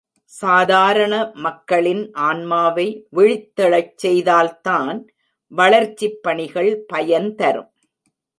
சாதாரண மக்களின் ஆன்மாவை விழித்தெழச் செய்தால்தான் வளர்ச்சிப் பணிகள் பயன் தரும்.